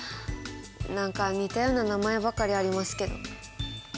何か似たような名前ばかりありますけど。